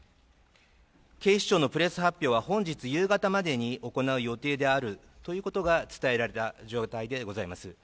警視庁のプレス発表は本日夕方までに行う予定であるということが伝えられた状態でございます。